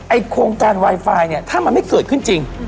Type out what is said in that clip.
โครงการไวไฟเนี่ยถ้ามันไม่เกิดขึ้นจริง